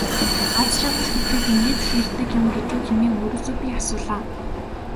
Аз жаргал гэдэг ингээд л ирдэг юм гэж үү хэмээн өөрөөсөө би асуулаа.